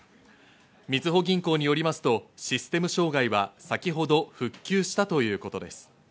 みずほ銀行によりますと、システム障害は先ほど復旧したということです。